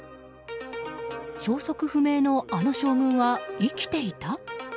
消息不明のあの将軍は生きていた？